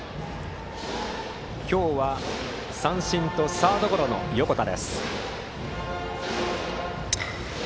今日は三振とサードゴロの横田。